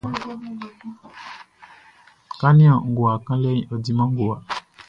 Kɛ á nían ngowa kanlɛʼn, ɔ diman ngowa.